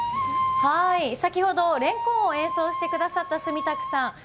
先ほど、れんこんを演奏してくださった住宅さん。